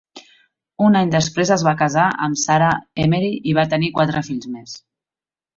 Un any després, es va casar amb Sarah Emery i va tenir quatre fills més.